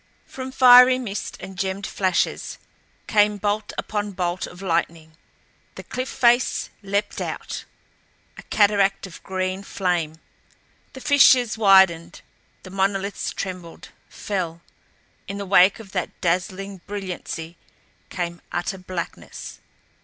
From fiery mist and gemmed flashes came bolt upon bolt of lightning. The cliff face leaped out, a cataract of green flame. The fissures widened, the monoliths trembled, fell. In the wake of that dazzling brilliancy came utter blackness.